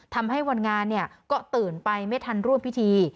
ทำให้วันงานก็ตื่นไปไม่ทันร่วมพิธี